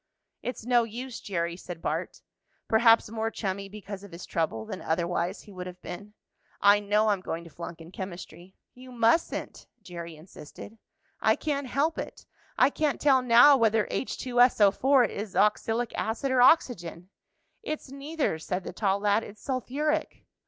"It's no use, Jerry," said Bart, perhaps more chummy because of his trouble than otherwise he would have been. "I know I'm going to flunk in chemistry." "You mustn't!" Jerry insisted. "I can't help it. I can't tell now whether H₂SO₄ is oxylic acid or oxygen." "It's neither," said the tall lad. "It's sulphuric."